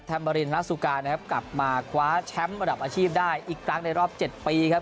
มารินนาสุกานะครับกลับมาคว้าแชมป์ระดับอาชีพได้อีกครั้งในรอบ๗ปีครับ